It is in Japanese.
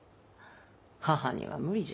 母には無理じゃ。